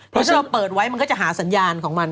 ถ้าเราเปิดไว้มันก็จะหาสัญญาณของมัน